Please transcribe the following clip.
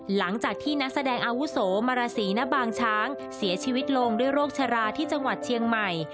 หลังจากที่นักแสดงอาวุโสมาราศีณบางช้างเสียชีวิตลงด้วยโรคชราที่จังหวัดเชียงใหม่